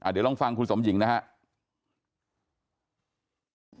เดี๋ยวลองฟังคุณสมหญิงนะครับ